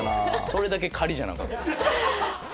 それだけ仮じゃなかった。